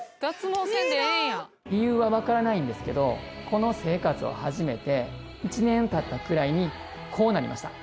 理由はわからないんですけどこの生活を始めて１年経ったくらいにこうなりました。